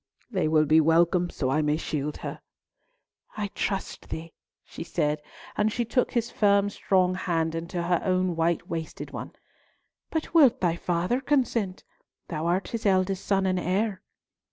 "They will be welcome, so I may shield her." "I trust thee," she said, and she took his firm strong hand into her own white wasted one. "But will thy father consent? Thou art his eldest son and heir."